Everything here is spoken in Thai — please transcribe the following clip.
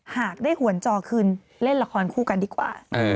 หากได้หวนจอคืนเล่นละครคู่กันดีกว่า